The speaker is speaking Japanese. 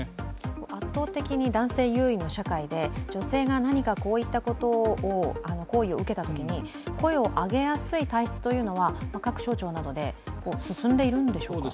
圧倒的に男性優位の社会で、女性が行為を受けたときに、声を上げやすい体質というのは各省庁などで進んでいるんでしょうか。